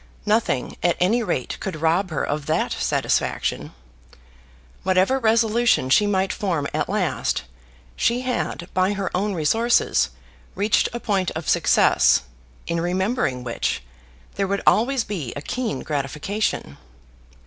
Nothing at any rate could rob her of that satisfaction. Whatever resolution she might form at last, she had by her own resources reached a point of success in remembering which there would always be a keen gratification.